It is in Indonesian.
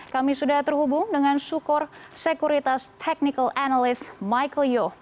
kami sudah terhubung dengan sukor sekuritas technical analyst michael yo